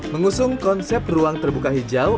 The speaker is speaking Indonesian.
mengusung konsep ruang terbuka hijau